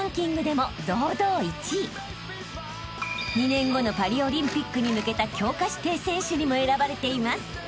［２年後のパリオリンピックに向けた強化指定選手にも選ばれています］